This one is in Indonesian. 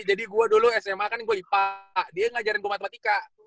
jadi gue dulu sma kan gue lipat dia ngajarin gue matematika